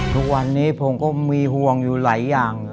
ทุกวันนี้ผมก็มีห่วงอยู่หลายอย่าง